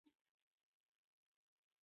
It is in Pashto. احمد شاه بابا د افغانستان پلار بلل کېږي.